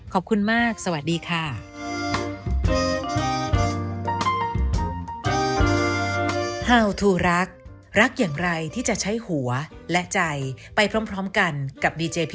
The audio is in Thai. ขอบคุณมากสวัสดีค่ะ